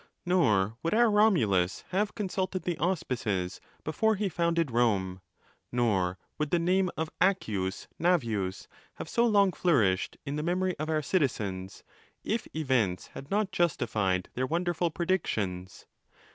Nor would our Romulus have consulted the auspices before he founded Rome,' nor would the name of Accius Navius have so long flourished in the memory of our citizens, if events had not justified their wonderful predictions.